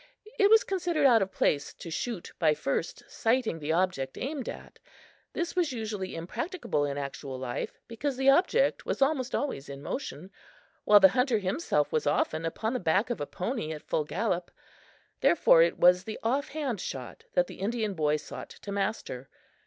It was considered out of place to shoot by first sighting the object aimed at. This was usually impracticable in actual life, because the object was almost always in motion, while the hunter himself was often upon the back of a pony at full gallop. Therefore, it was the off hand shot that the Indian boy sought to master.